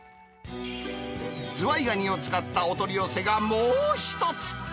ズワイガニを使ったお取り寄せがもう１つ。